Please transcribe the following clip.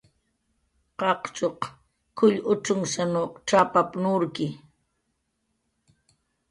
"Qaqchuq k""ullun ucx""unsaw cx""apap"" nurki"